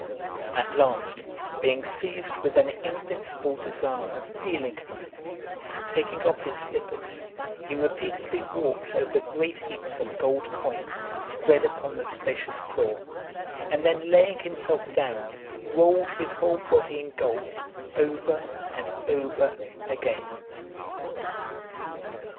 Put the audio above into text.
At last, being seized with an invincible desire of feeling money, taking off his slippers, he repeatedly walked over great heaps of gold coin spread upon the spacious floor, and then laying himself down, rolled his whole body in gold over and over again.